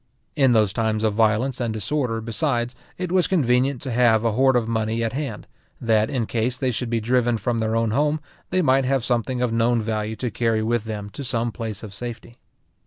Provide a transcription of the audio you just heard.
In those times of violence and disorder, besides, it was convenient to have a hoard of money at hand, that in case they should be driven from their own home, they might have something of known value to carry with them to some place of safety.